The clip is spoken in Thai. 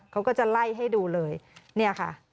เขาก็จะไล่ให้ดูเลยเนี่ยค่ะ